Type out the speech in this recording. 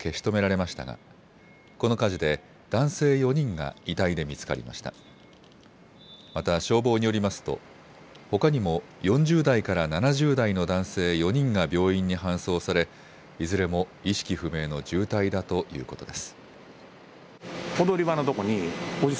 また消防によりますとほかにも４０代から７０代の男性４人が病院に搬送されいずれも意識不明の重体だということです。